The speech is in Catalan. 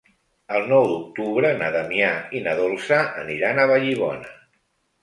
El nou d'octubre na Damià i na Dolça aniran a Vallibona.